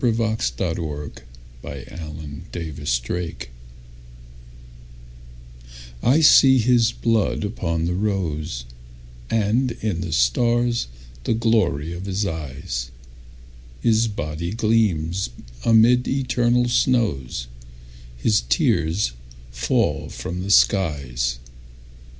I see His Blood upon the Rose I SEE his blood upon the roseAnd in the stars the glory of his eyes, His body gleams amid eternal snows, His tears fall from the skies.